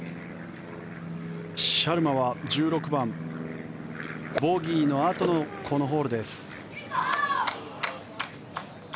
シャルマは１６番ボギーのあとのこのホールです。